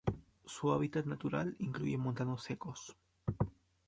Su hábitat natural incluye montanos secos.